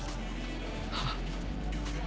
はっ？